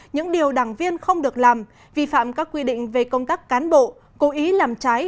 những điều đảng viên không được làm vi phạm các quy định về công tác cán bộ cố ý làm trái